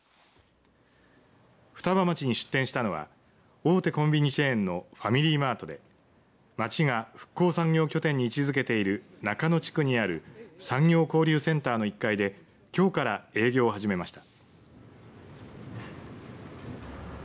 双葉町に出店したのは大手コンビニチェーンのファミリーマートで町が復興産業拠点に位置づけている中野地区にある産業交流センターの１階できょうから営業を始めました。